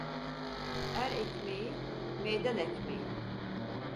Er ekmeği, meydan ekmeği.